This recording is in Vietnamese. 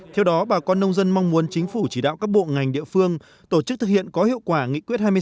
theo đó bà con nông dân mong muốn chính phủ chỉ đạo các bộ ngành địa phương tổ chức thực hiện có hiệu quả nghị quyết hai mươi sáu